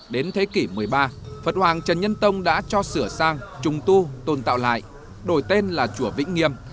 đến thế kỷ một mươi ba phật hoàng trần nhân tông đã cho sửa sang trùng tu tồn tạo lại đổi tên là chùa vĩnh nghiêm